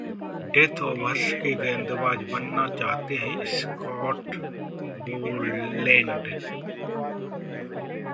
death overs के गेंदबाज बनना चाहते हैं स्कॉट बोलैंड